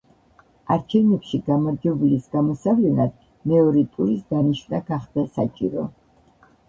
არჩევნებში გამარჯვებულის გამოსავლენად მეორე ტურის დანიშვნა გახდა საჭირო.